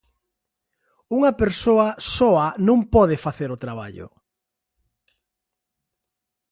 Unha persoa soa non pode facer o traballo.